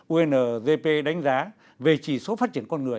ungp đánh giá về chỉ số phát triển con người